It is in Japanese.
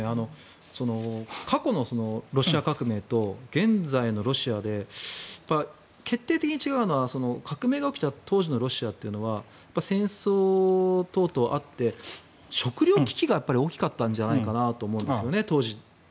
過去のロシア革命と現在のロシアで決定的に違うのは革命が起きた当時のロシアというのは戦争等々あって食糧危機が大きかったんじゃないかなと思うんです、当時。